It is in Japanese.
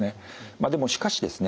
まあでもしかしですね